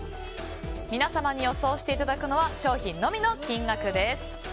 皆様に予想していただくのは商品のみの金額です。